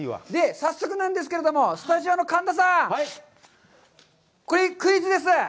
早速なんですけれども、スタジオの神田さん、クイズです！